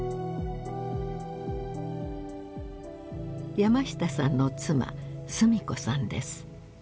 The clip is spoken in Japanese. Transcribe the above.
山下さんの妻須美子さんです。